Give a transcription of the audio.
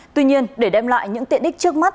tuy nhiên để đem lại những tiện đích trước mắt